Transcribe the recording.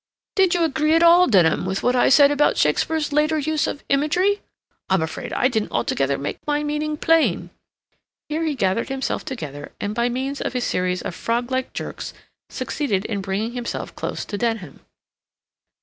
"Did you agree at all, Denham, with what I said about Shakespeare's later use of imagery? I'm afraid I didn't altogether make my meaning plain." Here he gathered himself together, and by means of a series of frog like jerks, succeeded in bringing himself close to Denham.